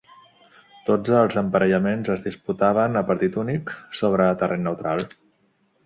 Tots els emparellaments es disputaven a partit únic sobre terreny neutral.